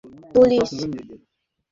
Honeymoon কেমন কাটল?